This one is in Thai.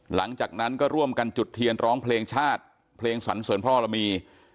หลังจากนั้นก็ร่วมกันจุดเทียนร้องเพลงชาติเพลงสรรเสริญพระรมี